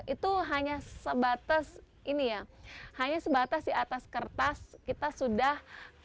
itu hanya sebatas ini ya hanya sebatas di atas kertas kita sudah